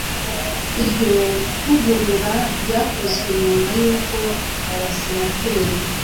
Iryo vugurura ryakozwe nyuma y’uko Abasenateri